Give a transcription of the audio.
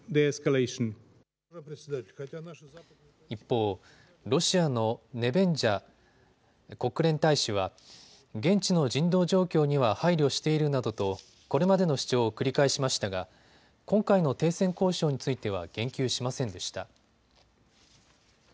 一方、ロシアのネベンジャ国連大使は、現地の人道状況には配慮しているなどとこれまでの主張を繰り返しましたが今回の停戦交渉については言及しませんでした。